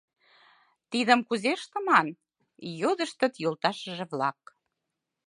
Тидым кузе ыштыман? — йодыштыт йолташыже-влак.